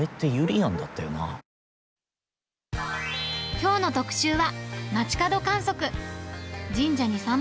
きょうの特集は、街角観測。